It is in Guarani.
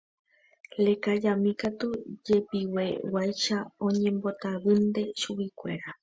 Lekajami katu jepiveguáicha oñembotavýnte chuguikuéra.